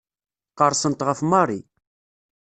Qerrsent ɣef Mary.